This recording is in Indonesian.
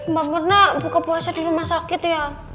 mbak purna buka puasa di rumah sakit ya